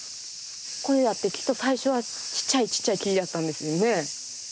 これだってきっと最初はちっちゃいちっちゃい木やったんですよね。